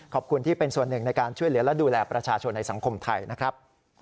ขอบคุณที่เป็นส่วนหนึ่งในการช่วยเหลือและดูแลประชาชนในสังคมไทยนะครับ